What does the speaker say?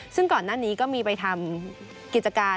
ซึ่งก่อนหน้านี้ก็มีไปทำกิจการ